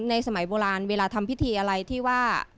สมัยโบราณเวลาทำพิธีอะไรที่ว่า